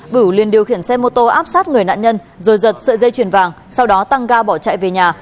bửu liền điều khiển xe mô tô áp sát người nạn nhân rồi giật sợi dây chuyền vàng sau đó tăng ga bỏ chạy về nhà